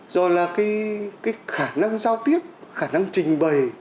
rồi là cái khả năng giao tiếp khả năng trình bày